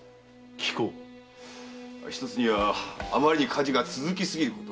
一つにはあまりに火事が続きすぎること。